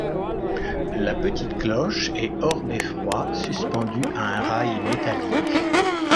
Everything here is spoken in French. La petite cloche est hors beffroi, suspendue à un rail métallique.